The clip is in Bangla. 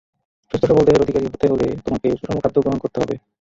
সুস্থ-সবল দেহের অধিকারী হতে হলে তোমাকে সুষম খাদ্য গ্রহণ করতে হবে।